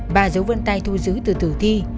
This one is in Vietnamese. ba dấu vân tay thu giữ từ thử thi